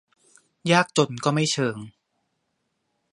ยากจนก็ไม่เชิง